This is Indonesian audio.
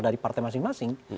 dari partai masing masing